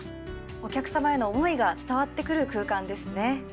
お客様への思いが伝わって来る空間ですね。